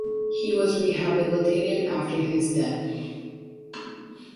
He was rehabilitated after his death.